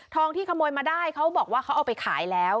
ที่ขโมยมาได้เขาบอกว่าเขาเอาไปขายแล้ว